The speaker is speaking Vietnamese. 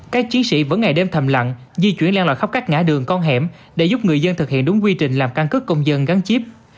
các chiến sĩ vẫn ngày đêm thầm lặng di chuyển leo lại khắp các ngã đường con hẻm để giúp người dân thực hiện đúng quy trình làm căn cức công dân gắn chiếp